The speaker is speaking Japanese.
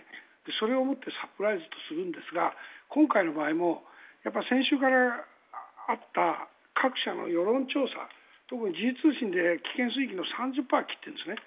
それをもってサプライズとするんですが今回の場合も先週からあった各社の世論調査特に時事通信で危険水域の３０％を切っているんですね。